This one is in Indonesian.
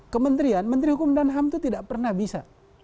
kementerian menteri hukum dan ham itu tidak pernah bisa